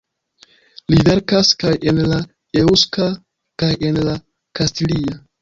Li verkas kaj en la eŭska kaj en la kastilia.